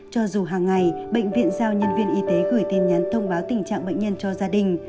cho dù hàng ngày bệnh viện giao nhân viên y tế gửi tin nhắn thông báo tình trạng bệnh nhân cho gia đình